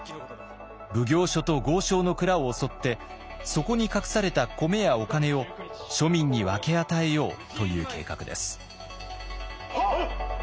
奉行所と豪商の蔵を襲ってそこに隠された米やお金を庶民に分け与えようという計画です。